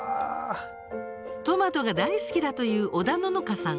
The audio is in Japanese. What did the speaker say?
トマトが大好きだという織田ののかさん。